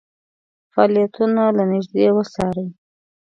فعالیتونه له نیژدې وڅاري.